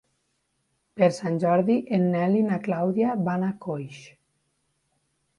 Per Sant Jordi en Nel i na Clàudia van a Coix.